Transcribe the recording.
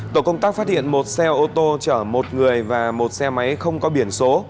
tổ công tác phát hiện một xe ô tô chở một người và một xe máy không có biển số